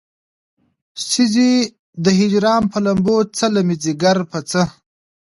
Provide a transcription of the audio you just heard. سيزې د هجران پۀ لمبو څله مې ځيګر پۀ څۀ